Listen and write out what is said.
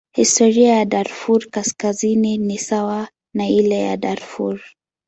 Historia ya Darfur Kaskazini ni sawa na ile ya Darfur.